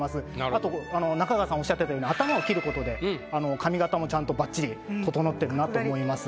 あと中川さんおっしゃってたように頭を切ることで髪型もちゃんとばっちり整ってるなと思います。